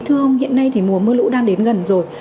thưa ông hiện nay thì mùa mưa lũ đang đến gần rồi